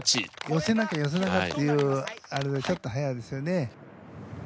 寄せなきゃ寄せなきゃっていうあれでちょっと早いですよね。